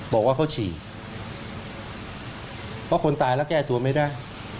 บอกว่าเขาฉี่เพราะคนตายแล้วแก้ตัวไม่ได้